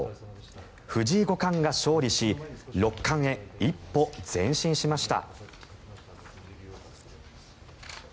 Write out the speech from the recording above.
藤井五冠が勝利し六冠へ一歩前進しました。